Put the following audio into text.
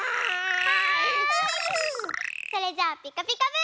それじゃあ「ピカピカブ！」。